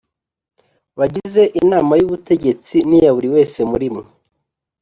bagize Inama y ubutegetsi n iya buri wese muri mwe